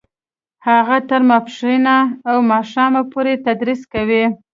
هغه تر ماسپښینه او ماښامه پورې تدریس کوي